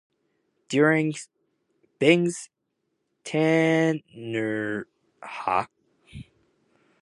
During Bing's tenure the Met's artist roster became integrated for the first time.